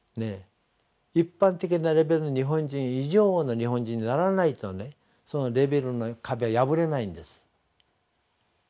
一般的なレベルの日本人以上の日本人にならないとねそのレベルの壁は破れないんです。